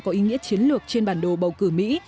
có ý nghĩa chiến lược trên bản đồ bầu cử mỹ